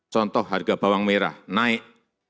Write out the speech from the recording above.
contoh harga bawang merah naik